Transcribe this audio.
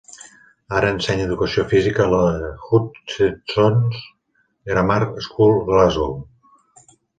Ara ensenya educació física a la Hutchesons' Grammar School, Glasgow.